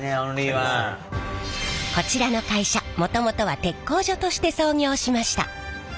こちらの会社もともとは鉄工所として創業しました。